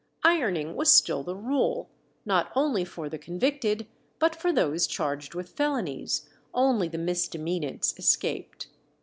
Ironing was still the rule, not only for the convicted, but for those charged with felonies; only the misdemeanants escaped.